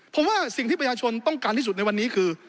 ผมว่าสิ่งที่ประชาชนต้องการที่สุดในวันนี้คือ